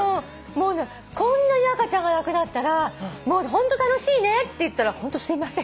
こんなに赤ちゃんが楽だったらホント楽しいねって言ったら「ホントすいません」